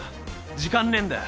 時間ねえんだよ。